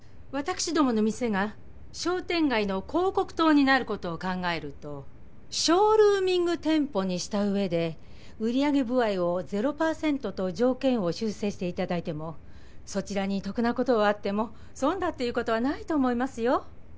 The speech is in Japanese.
私どもの店が商店街の広告塔になることを考えるとショールーミング店舗にした上で売上歩合を０％と条件を修正していただいてもそちらに得なことはあっても損だっていうことはないと思いますよ。